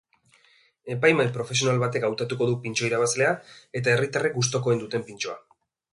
Epaimahi profesional batek hautatuko du pintxo irabazlea eta herritarrek gustukoen duten pintxoa.